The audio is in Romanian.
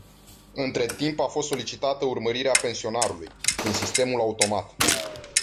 Între timp a fost solicitată urmărirea pensionarului, prin sistemul automat.